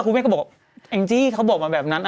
คุณแม่ก็บอกแองจี้เขาบอกมาแบบนั้น